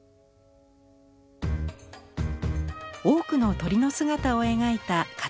多くの鳥の姿を描いた飾北斎。